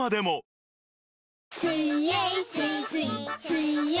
水泳